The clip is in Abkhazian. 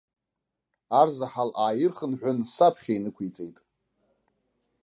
Арзаҳал ааирхынҳәын, саԥхьа инықәиҵеит.